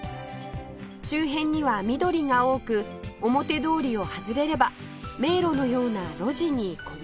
周辺には緑が多く表通りを外れれば迷路のような路地に古民家が立ち並ぶ